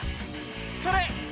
それ！